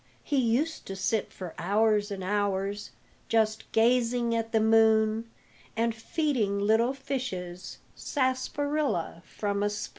He used to sit for hours and hours Just gazing at the moon, And feeding little fishes Sarsaparilla from a spoon.